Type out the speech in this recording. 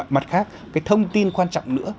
mặt khác cái thông tin quan trọng nữa